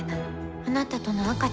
あなたとの赤ちゃん。